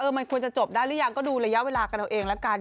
มันควรจะจบได้หรือยังก็ดูระยะเวลากันเอาเองละกัน